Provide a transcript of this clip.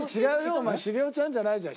お前「茂雄ちゃん」じゃないじゃん。